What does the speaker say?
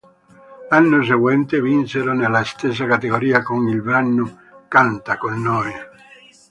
L'anno seguente vinsero nella stessa categoria con il brano "Canta con noi".